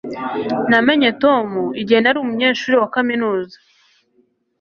namenye tom igihe nari umunyeshuri wa kaminuza